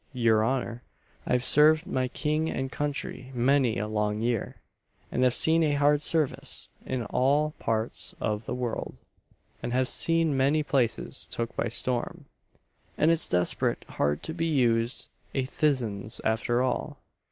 Your honour, I've served my king and country many a long year, and have seen hard service in all parts of the world, and have seen many places took by storm, and it's desperate hard to be used a thisns after all!"